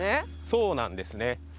そうなんですね。